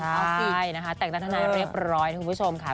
ใช่แต่งตั้งทนายเรียบร้อยทุกคุณผู้ชมค่ะ